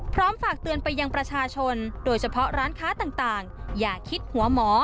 ฝากเตือนไปยังประชาชนโดยเฉพาะร้านค้าต่างอย่าคิดหัวหมอ